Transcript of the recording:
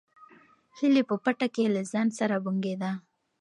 هیلې په پټه کې له ځان سره بونګېده.